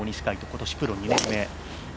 今年プロ２年目。